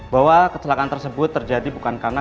bahwa kecelakaan tersebut terjadi bukan karena